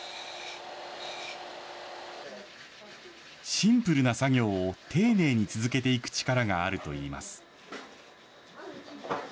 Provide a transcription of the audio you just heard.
シンプルな作業を丁寧に続けていく力があるといいます。